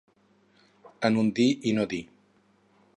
En un dir i no dir.